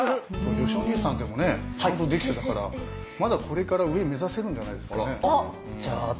よしお兄さんちゃんとできてたからまだこれから上目指せるんじゃないですかね？